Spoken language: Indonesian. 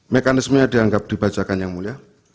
mekanismenya dianggap dibacakan yang mulia